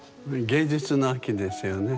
芸術の秋ですよね。